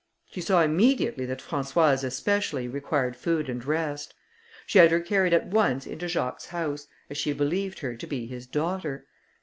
She saw immediately that Françoise especially required food and rest. She had her carried at once into Jacques's house, as she believed her to be his daughter.